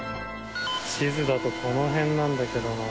地図だとこの辺なんだけどな。